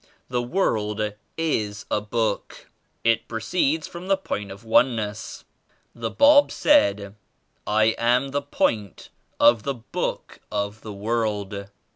The world is a book. It proceeds from the Point 9? of Oneness. The Bab said *I am the Point of the Book of the World.'"